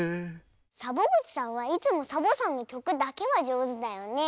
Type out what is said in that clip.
サボぐちさんはいつもサボさんのきょくだけはじょうずだよね。